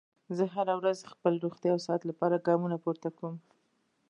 زه هره ورځ د خپلې روغتیا او صحت لپاره ګامونه پورته کوم